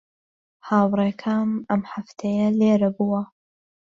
هاوڕێکەم ئەم هەفتەیە لێرە بووە.